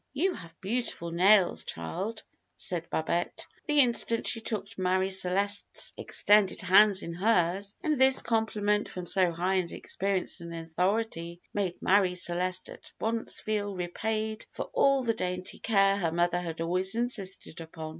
"You have beautiful nails, child," said Babette, the instant she took Marie Celeste's extended hands in hers; and this compliment from so high and experienced an authority made Marie Celeste at once feel repaid for all the dainty care her mother had always insisted upon.